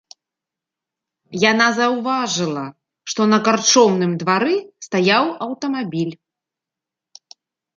Яна заўважыла, што на карчомным двары стаяў аўтамабіль.